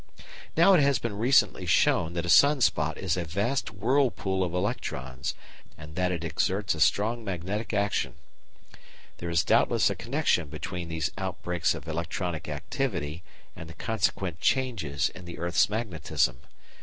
Now it has been recently shown that a sun spot is a vast whirlpool of electrons and that it exerts a strong magnetic action. There is doubtless a connection between these outbreaks of electronic activity and the consequent changes in the earth's magnetism.